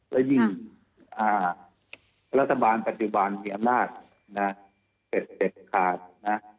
และยิ่งอ่ารัฐบาลปัจจุบันมีอำนาจนะเต็ดคาดนะ